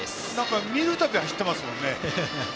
見るたびに走っていますからね。